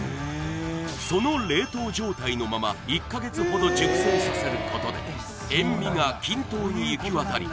その冷凍状態のまま１か月ほど熟成させることで塩味が均等にいきわたり